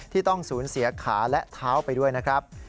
ต้องสูญเสียขาและเท้าไปด้วยนะครับ